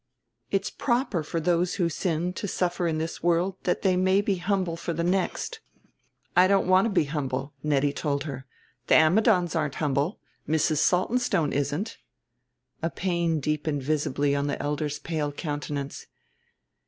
It's proper for those who sin to suffer in this world that they may be humble for the next." "I don't want to be humble," Nettie told her. "The Ammidons aren't humble. Mrs. Saltonstone isn't." A pain deepened visibly on the elder's pale countenance.